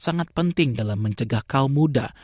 sangat penting dalam mencegah kaum muda